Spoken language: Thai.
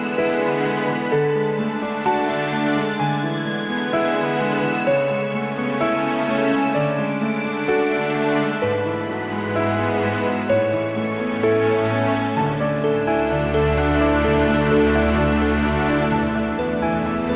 คุณเสียเบลี่ยเวิร์ด